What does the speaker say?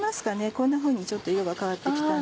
こんなふうにちょっと色が変わって来たの。